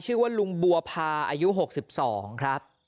ชื่อว่าลุงบัวพาอายุ๖๒ครับ